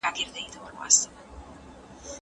ماشومانو په بڼ کې د رنګارنګ ګلانو ننداره کوله